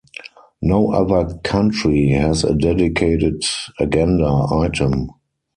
No other country has a dedicated agenda item.